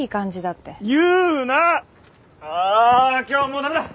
あ今日はもうダメだ！